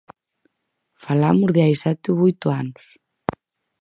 Falamos de hai sete ou oito anos.